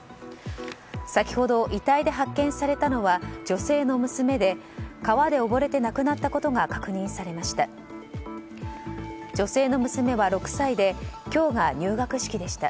先ほど、遺体で発見されたのは女性の娘で川で溺れて亡くなったことが確認されました。